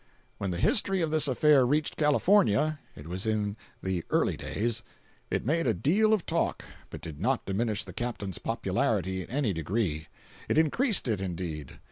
When the history of this affair reached California (it was in the "early days") it made a deal of talk, but did not diminish the captain's popularity in any degree. It increased it, indeed.